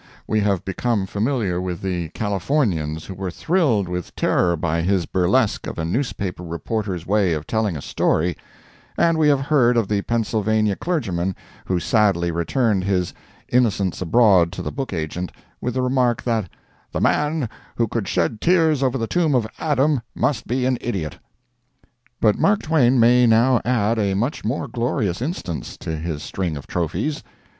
We have become familiar with the Californians who were thrilled with terror by his burlesque of a newspaper reporter's way of telling a story, and we have heard of the Pennsylvania clergyman who sadly returned his "Innocents Abroad" to the book agent with the remark that "the man who could shed tears over the tomb of Adam must be an idiot." But Mark Twain may now add a much more glorious instance to his string of trophies.